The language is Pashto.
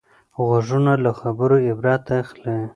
غوږونه له خبرو عبرت اخلي